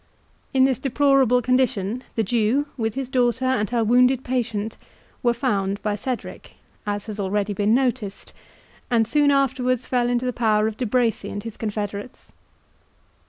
In this deplorable condition the Jew, with his daughter and her wounded patient, were found by Cedric, as has already been noticed, and soon afterwards fell into the power of De Bracy and his confederates.